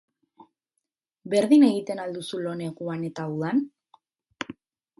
Berdin egiten al duzu lo neguan eta udan?